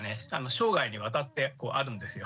生涯にわたってあるんですよ。